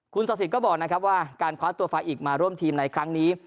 คุณสาธิตก็บอกนะครับว่าการคว้าตัวฝ่ายอีกมาร่วมทีมในครั้งนี้